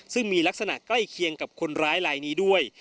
ซึ่งมีลักษณะใกล้เคียงกับคนร้ายลายนี้ด้วย